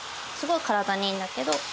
すごい体にいいんだけど。